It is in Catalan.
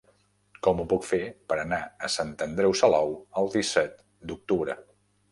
Com ho puc fer per anar a Sant Andreu Salou el disset d'octubre?